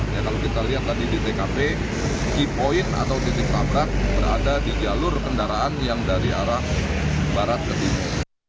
ya kalau kita lihat tadi di tkp key point atau titik tabrak berada di jalur kendaraan yang dari arah barat ke timur